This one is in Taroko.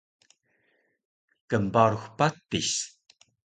Knbarux patis